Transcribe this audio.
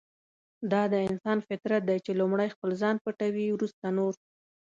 دا د انسان فطرت دی چې لومړی خپل ځان پټوي ورسته نور.